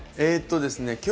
えっとですね